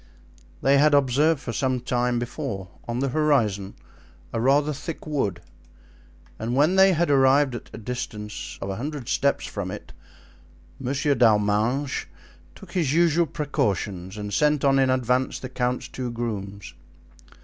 They had observed for some time before them, on the horizon, a rather thick wood; and when they had arrived at a distance of a hundred steps from it, Monsieur d'Arminges took his usual precautions and sent on in advance the count's two grooms.